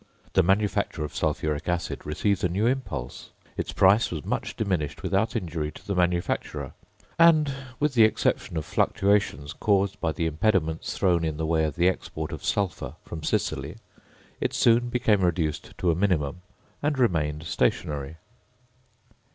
The manufacture of sulphuric acid received a new impulse; its price was much diminished without injury to the manufacturer; and, with the exception of fluctuations caused by the impediments thrown in the way of the export of sulphur from Sicily, it soon became reduced to a minimum, and remained stationary.